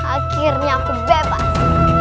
akhirnya aku bebas